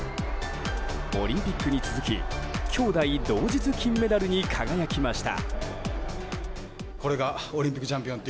オリンピックに続き兄妹同日金メダルに輝きました。